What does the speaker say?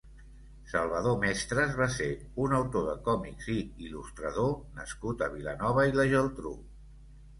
Salvador Mestres va ser un autor de còmics i il·lustrador nascut a Vilanova i la Geltrú.